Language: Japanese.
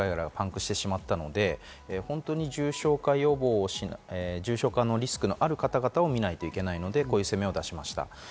発熱外来がパンクしてしまったので重症予防、重症化リスクのある方を見なきゃいけないので、こういう声明を出しました。